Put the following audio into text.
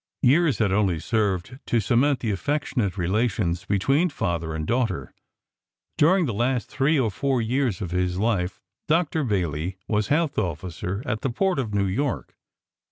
Years had only served to cement the affectionate relations between father and daughter. During the last three or four years of his life Dr. Bayley was Health Officer at the Port of New York.